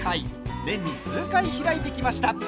年に数回開いてきました。